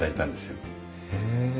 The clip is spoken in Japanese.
へえ。